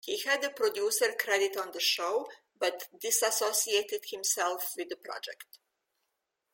He had a producer credit on the show, but disassociated himself with the project.